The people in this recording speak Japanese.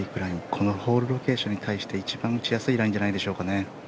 このホールロケーションに対して一番打ちやすいラインじゃないでしょうか。